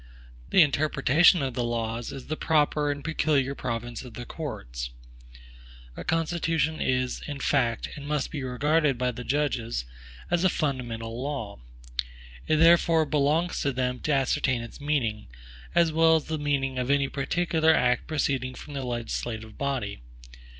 The interpretation of the laws is the proper and peculiar province of the courts. A constitution is, in fact, and must be regarded by the judges, as a fundamental law. It therefore belongs to them to ascertain its meaning, as well as the meaning of any particular act proceeding from the legislative body.